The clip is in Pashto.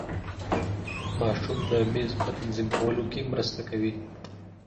ماشوم د میز په تنظیم کولو کې مرسته کوي.